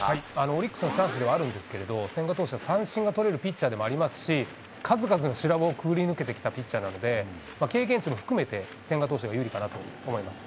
オリックスのチャンスではあるんですけれど、千賀投手は三振が取れるピッチャーでもありますし、数々の修羅場をくぐりぬけてきたピッチャーなので、経験値も含めて、千賀投手が有利かなと思います。